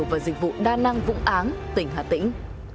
và dịch vụ đa năng vụ án tỉnh hà tĩnh